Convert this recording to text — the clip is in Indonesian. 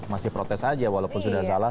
masih protes saja walaupun sudah salah